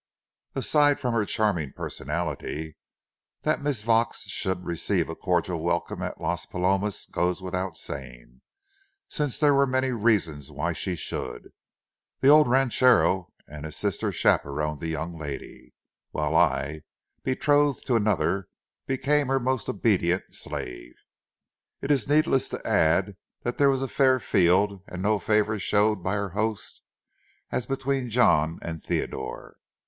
Aside from her charming personality, that Miss Vaux should receive a cordial welcome at Las Palomas goes without saying, since there were many reasons why she should. The old ranchero and his sister chaperoned the young lady, while I, betrothed to another, became her most obedient slave. It is needless to add that there was a fair field and no favor shown by her hosts, as between John and Theodore.